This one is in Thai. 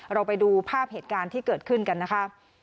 เราไปดูภาพเหตุการณ์ที่เกิดขึ้นกันนะคะ